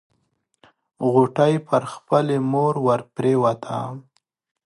غوټۍ پر خپلې مور ورپريوته.